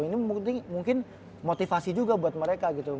ini mungkin motivasi juga buat mereka gitu